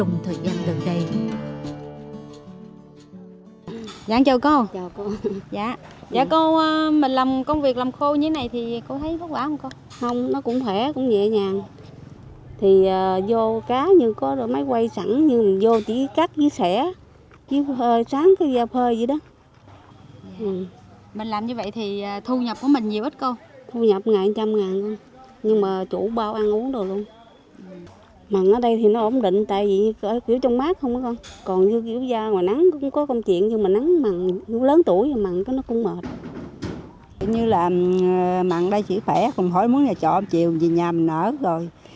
như là mặn đây chỉ khỏe không hỏi muốn nhà trọ một chiều về nhà mình ở rồi